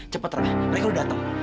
cepet ra mereka udah dateng